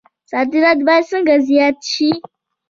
صادرات باید څنګه زیات شي؟